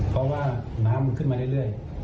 เพราะว่าน้ำมันขึ้นมาเรื่อย